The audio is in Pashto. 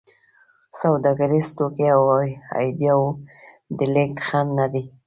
سوداګریز توکي او ایډیاوو د لېږد خنډ نه دی.